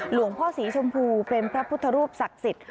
หลวงพ่อสีชมพูเป็นพระพุทธรูปศักดิ์สิทธิ์